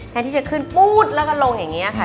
แทนที่จะขึ้นปุ๊ดแล้วก็ลงอย่างนี้ค่ะ